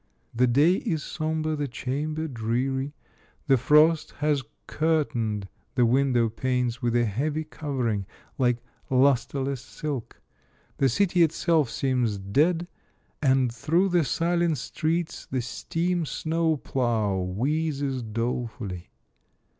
The day is sombre, the chamber dreary. The frost has curtained the window panes with a heavy covering, like lustreless silk; the city itself seems dead, and through the silent streets the steam snow plough wheezes dole fully.